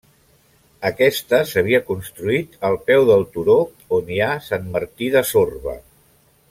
Aquesta s'havia construït al peu del turó on hi ha Sant Martí de Sorba.